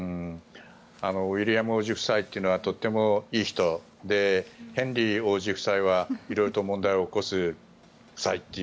ウィリアム王子夫妻というのは、とてもいい人でヘンリー王子夫妻はいろいろと問題を起こす夫妻と。